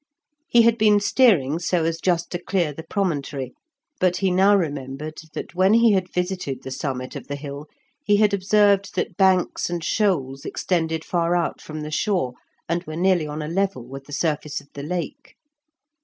He had been steering so as just to clear the promontory, but he now remembered that when he had visited the summit of the hill, he had observed that banks and shoals extended far out from the shore, and were nearly on a level with the surface of the Lake.